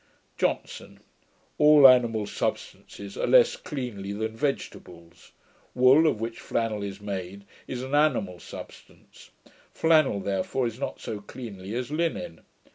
JOHNSON. 'All animal substances are less cleanly than vegetables. Wool, of which flannel is made, is an animal substance; flannel therefore is not so cleanly as linen.